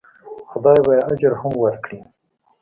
خدای به یې اجر هم ورکړي.